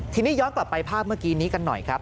ทีนี้ย้อนกลับไปภาพเมื่อกี้นี้กันหน่อยครับ